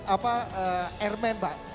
apa airman pak